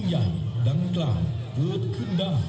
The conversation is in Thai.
สวัสดีครับทุกคน